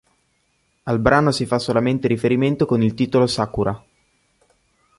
Al brano si fa semplicemente riferimento con il titolo "Sakura".